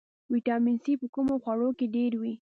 ویټامین سي په کومو خوړو کې ډیر وي